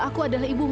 dan kau adalah ibumu